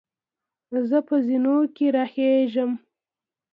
زۀ په زینو کې راخېږم.